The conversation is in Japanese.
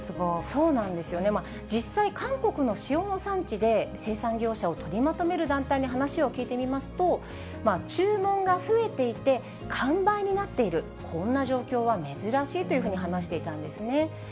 そうなんですよね、実際、韓国の塩の産地で生産業者を取りまとめる団体に話を聞いてみますと、注文が増えていて、完売になっている、こんな状況は珍しいというふうに話していたんですね。